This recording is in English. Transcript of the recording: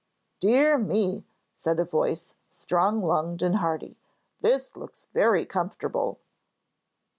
"Dear me," said a voice, strong lunged and hearty, "this looks very comfortable."